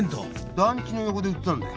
団地の横で売ってたんだよ